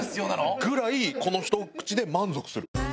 ぐらいこのひと口で満足する。